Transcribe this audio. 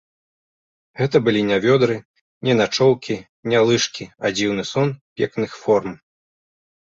Гэта былі не вёдры, не начоўкі, не лыжкі, а дзіўны сон пекных форм.